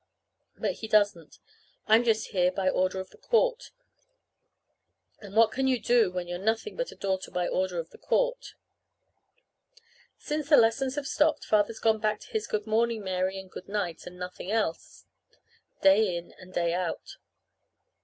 But he doesn't. I'm just here by order of the court. And what can you do when you're nothing but a daughter by order of the court? Since the lessons have stopped, Father's gone back to his "Good morning, Mary," and "Good night," and nothing else, day in and day out.